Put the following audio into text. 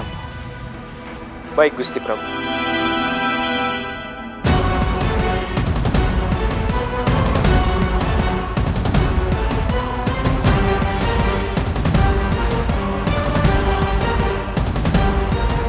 agak sampai akhirnya diunggah di dalam ilmu ini